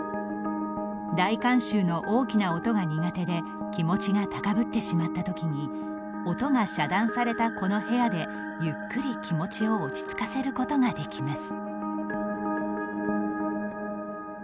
大観衆の大きな音が苦手で気持ちが高ぶってしまったときに音が遮断されたこの部屋でゆっくり気持ちを落ち着かせることができます。